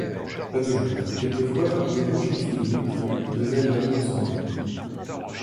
Pas toujours ; quelquefois des rouges vifs ou des bleus crus révèlent l’alliance anglaise.